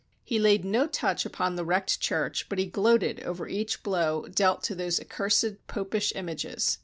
He laid no touch upon the wrecked church, but he gloated over each blow dealt to those accursed popish images.